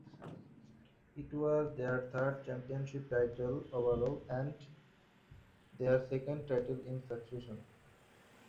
It was their third championship title overall and their second title in succession.